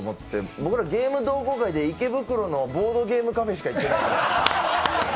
僕ら、ゲーム同好会で池袋のボードゲームカフェしか行ってないんで。